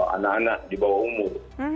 anak anak di bawah umur